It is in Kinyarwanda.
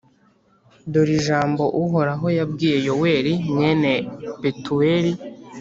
Dore ijambo Uhoraho yabwiye Yoweli, mwene Petuweli.